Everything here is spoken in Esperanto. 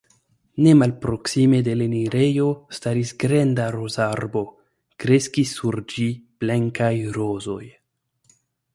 Ne malproksime de l enirejo staris granda rozarbo; kreskis sur ĝi blankaj rozoj.